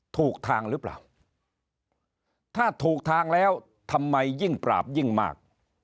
ถูกทางหรือเปล่าถ้าถูกทางแล้วทำไมยิ่งปราบยิ่งมาก